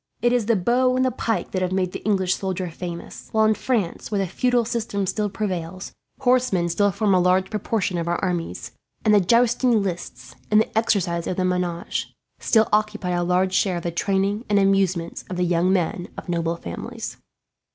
It is the bow and the pike that have made the English soldier famous; while in France, where the feudal system still prevails, horsemen still form a large proportion of our armies; and the jousting lists, and the exercise of the menage, still occupy a large share in the training and amusements of the young men of noble families."